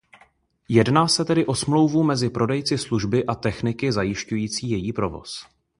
Jedná se tedy o smlouvu mezi prodejci služby a techniky zajišťující její provoz.